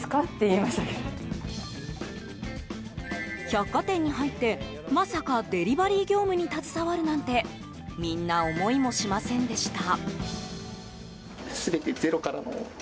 百貨店に入って、まさかデリバリー業務に携わるなんてみんな思いもしませんでした。